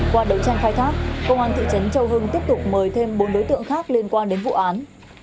qua đấu tranh khai thác công an thị trấn châu hưng tiếp tục mời thêm bốn đối tượng khác liên quan đến vụ án